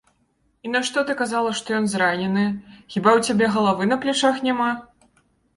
І нашто ты казала, што ён зранены, хіба ў цябе галавы на плячах няма?